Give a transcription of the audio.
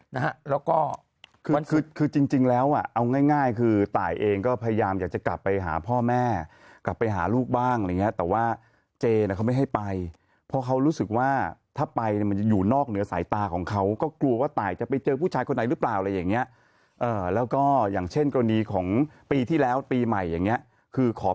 นะฮะแล้วก็คือมันคือคือจริงจริงแล้วอ่ะเอาง่ายง่ายคือตายเองก็พยายามอยากจะกลับไปหาพ่อแม่กลับไปหาลูกบ้างอะไรอย่างเงี้ยแต่ว่าเจน่ะเขาไม่ให้ไปเพราะเขารู้สึกว่าถ้าไปเนี่ยมันอยู่นอกเหนือสายตาของเขาก็กลัวว่าตายจะไปเจอผู้ชายคนไหนหรือเปล่าอะไรอย่างเงี้ยเอ่อแล้วก็อย่างเช่นกรณีของปีที่แล้วปีใหม่อย่างเงี้ยคือขอ